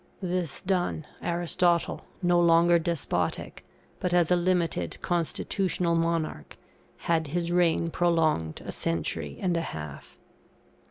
This done, Aristotle, no longer despotic, but as a limited constitutional monarch, had his reign prolonged a century and a half.